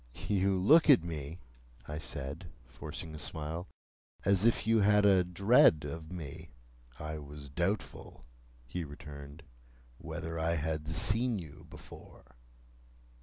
"You look at me," I said, forcing a smile, "as if you had a dread of me." "I was doubtful," he returned, "whether I had seen you before."